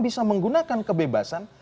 bisa menggunakan kebebasan